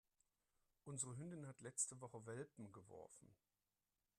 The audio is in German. Unsere Hündin hat letzte Woche Welpen geworfen.